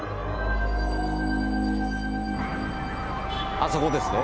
あそこですね？